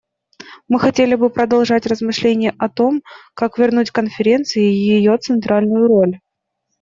Мы хотели бы продолжать размышления о том, как вернуть Конференции ее центральную роль.